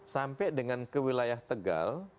sampai dengan ke wilayah tegal